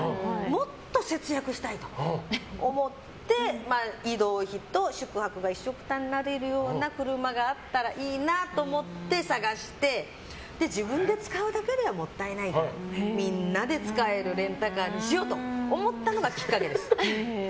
もっと節約したいと思って移動費と宿泊がいっしょくたになる車があったらいいなと思って探して自分で使うだけではもったいないからみんなで使えるレンタカーにしようと思ったのがきっかけです。